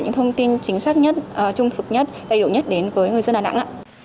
những thông tin chính xác nhất trung thực nhất đầy đủ nhất đến với người dân đà nẵng